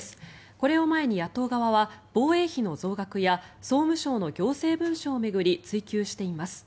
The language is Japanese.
これを前に野党側は防衛費の増額や総務省の行政文書を巡り追及しています。